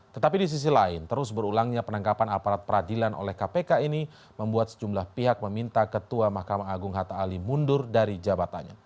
tetapi di sisi lain terus berulangnya penangkapan aparat peradilan oleh kpk ini membuat sejumlah pihak meminta ketua mahkamah agung hatta ali mundur dari jabatannya